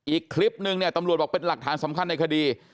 อีกคลิปนึงเนี่ยตำรวจบอกเป็นหลักฐานสำคัญในคดี